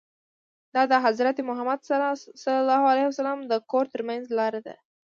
دا د حضرت محمد ص د کور ترمنځ لاره ده.